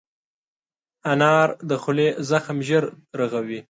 انار د خولې زخم ژر رغوي.